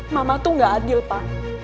mama tuh gak adil pak